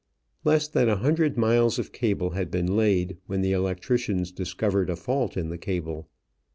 Less than a hundred miles of cable had been laid when the electricians discovered a fault in the cable.